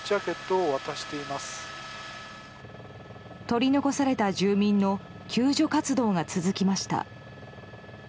取り残された住民の救助活動が続きました。